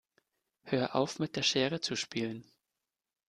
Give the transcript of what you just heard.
Hör auf mit der Schere zu spielen.